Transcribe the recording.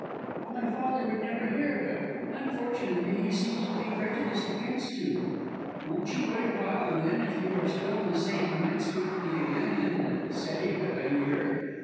"But my father would never hear of it. Unfortunately he seems to be prejudiced against you. Won't you wait a while, and then, if you are still in the same mind, speak to me again in say a year.